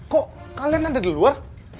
kok kalian ada di luar